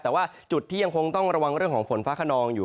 แต่ว่าจุดที่ยังคงต้องระวังเรื่องของฝนฟ้าขนองอยู่